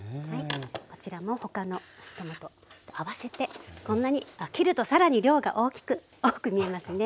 こちらも他のトマトと合わせてこんなにあっ切ると更に量が多く見えますね。